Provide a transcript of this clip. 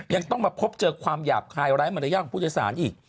ยังต้องมาพบเจอความหยาบคายไร้มารยาทของผู้โดยสารอีก